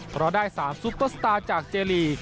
เพราะได้๓ซุปเปอร์สตาร์จากเจลี